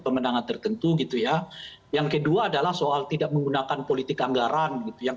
pemenangan tertentu gitu ya yang kedua adalah soal tidak menggunakan politik anggaran gitu yang